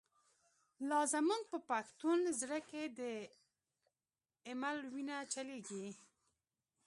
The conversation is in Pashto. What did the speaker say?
لا زمونږ په پښتون زړه کی، « د ایمل» وینه چلیږی